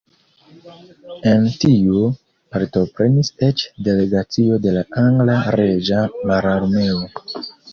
En tio partoprenis eĉ delegacio de la angla Reĝa Mararmeo.